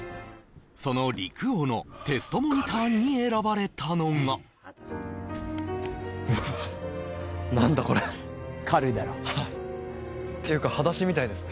その陸王のテストモニターに選ばれたのが何だこれ軽いだろうっていうかはだしみたいですね